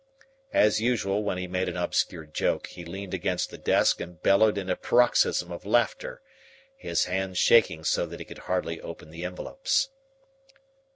As usual when he made an obscure joke, he leaned against the desk and bellowed in a paroxysm of laughter, his hands shaking so that he could hardly open the envelopes.